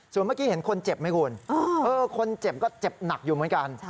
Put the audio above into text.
ส่วนเมื่อกี้เห็นคนเจ็บไหมคุณคนเจ็บก็เจ็บหนักอยู่เหมือนกัน